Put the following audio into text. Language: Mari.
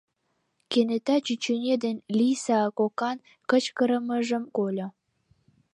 Кенета чӱчӱньӧ ден Лийса кокан кычкырымыжым кольо: